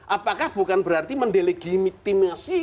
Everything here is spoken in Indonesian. apakah bukan berarti mendelegitimasi